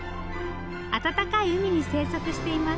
暖かい海に生息しています。